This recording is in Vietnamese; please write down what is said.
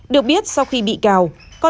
được biết sau khi bị cào